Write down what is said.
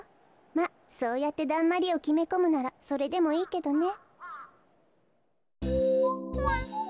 まっそうやってだんまりをきめこむならそれでもいいけどね。